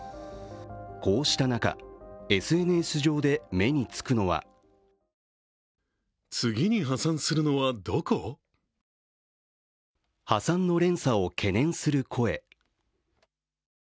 こうした中、ＳＮＳ上で目につくのは破産の連鎖を懸念する声。